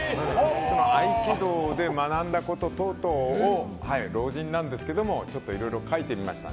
合気道で学んだこと等々を老人なんですけどいろいろ書いてみました。